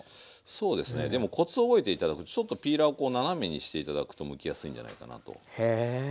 そうですねでもコツを覚えて頂くとちょっとピーラーをこう斜めにして頂くとむきやすいんじゃないかなと思いますね。